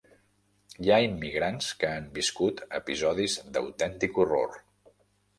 Hi ha immigrants que han viscut episodis d'autèntic horror.